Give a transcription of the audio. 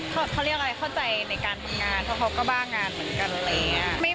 เขาเป็นคนง่ายติดอิน